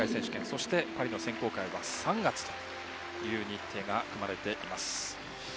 そしてパリの選考会は３月という日程が組まれています。